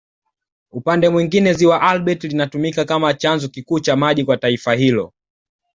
Upande mwingine Ziwa Albert linatumika kama chanzo kikuu cha maji kwa taifa hilo